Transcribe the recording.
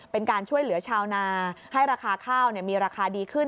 เป็นการช่วยเหลือชาวนาให้ราคาข้าวมีราคาดีขึ้น